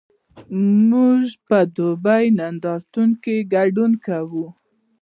موږ په دوبۍ نندارتون کې ګډون کوو؟